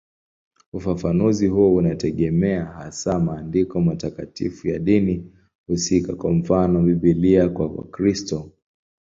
Ufafanuzi huo unategemea hasa maandiko matakatifu ya dini husika, kwa mfano Biblia kwa Wakristo.